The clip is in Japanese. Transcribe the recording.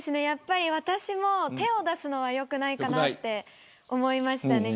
やっぱり私も手を出すのは良くないかなと思いました。